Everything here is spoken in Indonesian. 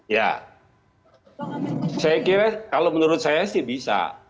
ya saya kira kalau menurut saya sih bisa